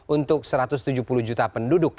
untuk satu ratus tujuh puluh juta penduduk